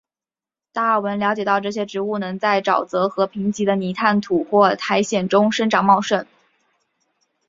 达尔文了解到这些植物能在沼泽或贫瘠的泥炭土或苔藓中生长茂盛。